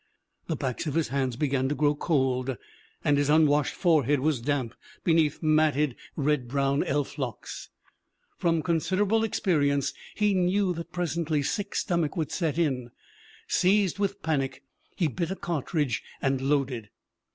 The backs of his hands began to grow cold and his un washed forehead was damp beneath matted, red brown elf locks. From considerable experience he knew that presently sick stomach would set in. ... Seized with MARY JOHNSTON 147 panic he bit a cartridge and loaded.